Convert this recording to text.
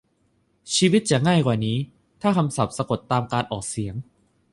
ชีวิตจะง่ายกว่านี้ถ้าคำศัพท์สะกดตามการออกเสียง